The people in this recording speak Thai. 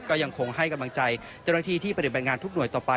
ก็ยังคงให้กำลังใจเจ้าหน้าที่ที่ปฏิบัติงานทุกหน่วยต่อไป